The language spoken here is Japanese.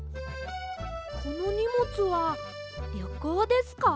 このにもつはりょこうですか？